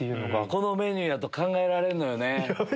このメニューやと考えられんのよね。